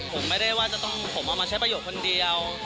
ผมไม่ได้ว่าจะต้องผมเอามาใช้ประโยชน์คนเดียว